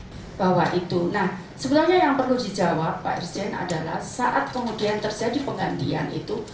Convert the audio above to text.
nah sebenarnya yang perlu dijawab pak irjen adalah saat kemudian terjadi penggantian itu